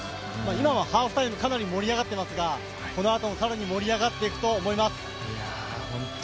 今はハーフタイム、かなり盛り上がっていますがこのあとも更に盛り上がっていくと思います。